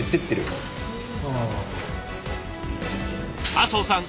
麻生さん